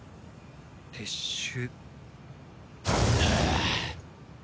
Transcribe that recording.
撤収。